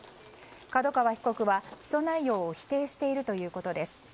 角川被告は起訴内容を否定しているということです。